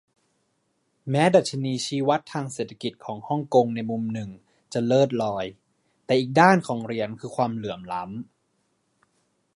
แม้ดัชนีชี้วัดทางเศรษฐกิจของฮ่องกงในมุมหนึ่งจะเลิศลอย แต่อีกด้านของเหรียญคือความเหลื่อมล้ำ